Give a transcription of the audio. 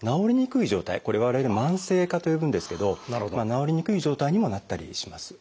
これ我々「慢性化」と呼ぶんですけど治りにくい状態にもなったりします。